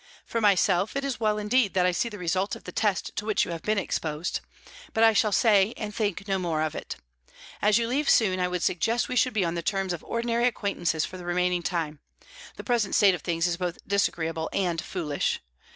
For myself, it is well indeed that I see the result of the test to which you have been exposed. But I shall say and think no more of it. As you leave soon, I would suggest that we should be on the terms of ordinary acquaintances for the remaining time; the present state of things is both disagreeable and foolish.